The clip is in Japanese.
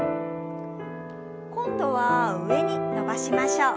今度は上に伸ばしましょう。